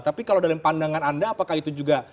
tapi kalau dalam pandangan anda apakah itu juga